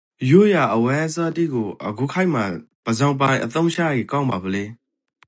ရိုးရာအဝတ်အစားတိကိုအဂုခေတ်မှာပဇောင်ပိုင်အသုံးချကေ ကောင်းပါဖို့လဲ?